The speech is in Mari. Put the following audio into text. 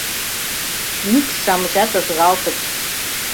Мӱкш-шамычат ызгалтыт: